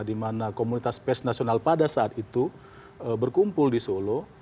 di mana komunitas pers nasional pada saat itu berkumpul di solo